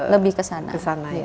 lebih ke sana